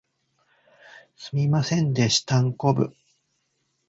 すみませんでしたんこぶ